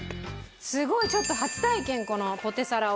すごいちょっと初体験このポテサラを。